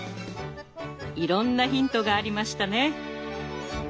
いろんなヒントがありましたね。